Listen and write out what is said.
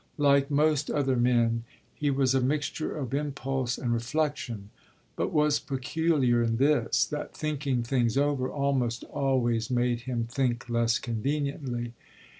Like most other men he was a mixture of impulse and reflexion, but was peculiar in this, that thinking things over almost always made him think less conveniently.